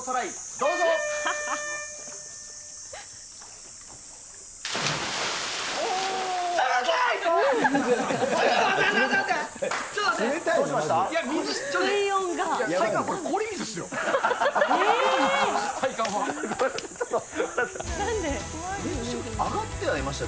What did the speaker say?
どうしました？